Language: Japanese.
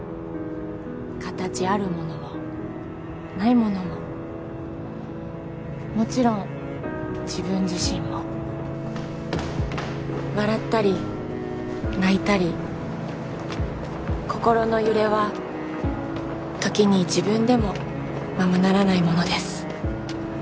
形あるものもないものももちろん自分自身も笑ったり泣いたり心の揺れはときに自分でもままならないものです